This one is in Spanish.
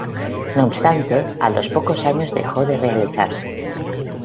No obstante, a los pocos años dejó de realizarse.